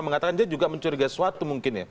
mengatakan dia juga mencuriga sesuatu mungkin ya